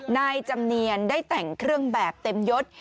นายจำเนียนได้แต่งเครื่องแบบเต็มยศ